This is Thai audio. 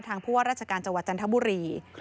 ผู้ว่าราชการจังหวัดจันทบุรี